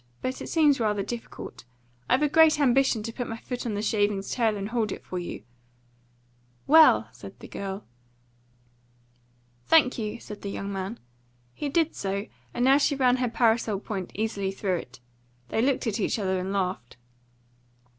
But it seems rather difficult. I've a great ambition to put my foot on the shaving's tail and hold it for you." "Well," said the girl. "Thank you," said the young man. He did so, and now she ran her parasol point easily through it. They looked at each other and laughed.